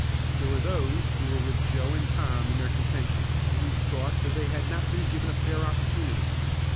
There were those who were with Joe and Tom in their contention, and who thought that they had not been given a fair opportunity.